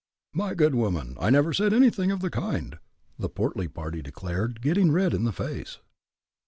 "My good woman, I never said anything of the kind," the portly party declared, getting red in the face.